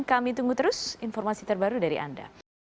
kami tunggu terus informasi terbaru dari anda